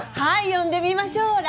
はい、呼んでみましょう。